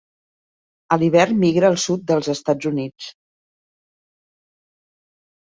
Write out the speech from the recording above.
A l'hivern migra el sud dels Estats Units.